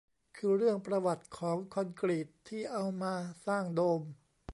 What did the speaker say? คือเรื่องประวัติของคอนกรีตที่เอามาสร้างโดม